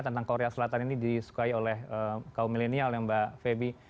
tentang korea selatan ini disukai oleh kaum milenial ya mbak febi